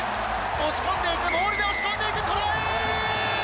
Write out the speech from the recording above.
押し込んでいく、モールで押し込んでいく、トライ！